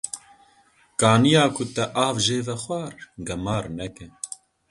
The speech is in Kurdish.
Kaniya ku te av jê vexwar, gemar neke.